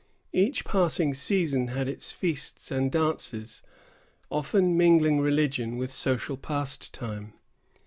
Each passing season had its feasts and dances, often mingling religion with social pastime.